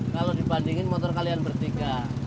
kalau dibandingin motor kalian bertiga